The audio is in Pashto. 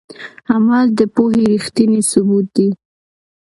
عمل د پوهې ریښتینی ثبوت دی.